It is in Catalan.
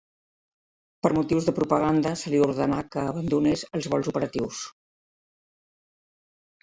Per motius de propaganda se li ordenà que abandonés els vols operatius.